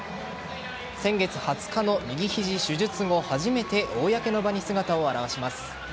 先月２０日の右肘手術後初めて公の場に姿を現します。